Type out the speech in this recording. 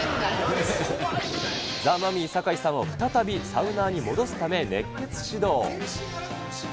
ザ・マミィ・酒井さんを再びサウナーに戻すため、熱血指導。